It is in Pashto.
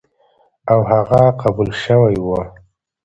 او هغه قبول شوی و،